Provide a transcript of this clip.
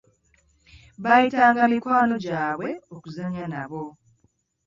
Baayita nga mikwano gy'abwe okuzannya nabo.